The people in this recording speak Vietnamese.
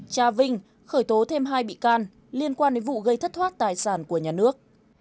trà vinh khởi tố thêm hai bị can liên quan đến vụ gây thất thoát tài sản của nhà nước